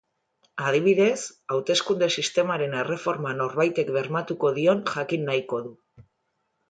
Adibidez, hauteskunde sistemaren erreforma norbaitek bermatuko dion jakin nahiko du.